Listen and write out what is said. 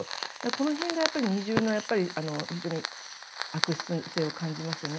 この辺が二重の非常に悪質性を感じますよね。